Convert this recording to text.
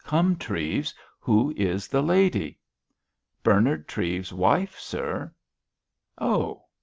"Come, Treves, who is the lady?" "Bernard Treves's wife, sir!" "Oh!